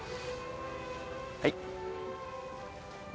はい。